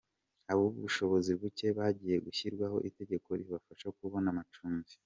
Ab’ubushobozi buke bagiye gushyirirwaho itegeko ribafasha kubona amacumbi